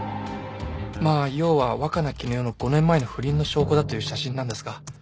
まあ要は若菜絹代の５年前の不倫の証拠だという写真なんですが。